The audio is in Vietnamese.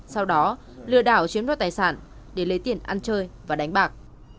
sau đó lừa đảo chiếm đoạt tài sản để lấy tiền ăn chơi và đánh bạc